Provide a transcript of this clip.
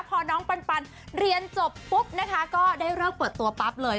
พอน้องปันเรียนจบปุ๊บนะคะก็ได้เลิกเปิดตัวปั๊บเลย